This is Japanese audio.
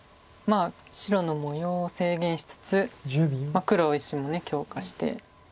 白の模様を制限しつつ黒石も強化して。